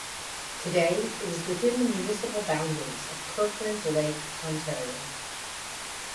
Today it is within the municipal boundaries of Kirkland Lake, Ontario.